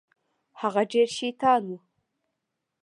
هغه ډېر شيطان و.